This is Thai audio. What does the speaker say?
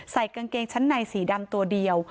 กางเกงชั้นในสีดำตัวเดียว